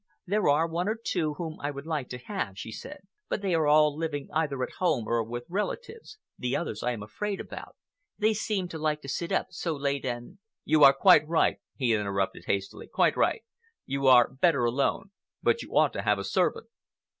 "There are one or two whom I would like to have," she said, "but they are all living either at home or with relatives. The others I am afraid about. They seem to like to sit up so late and—" "You are quite right," he interrupted hastily,—"quite right. You are better alone. But you ought to have a servant."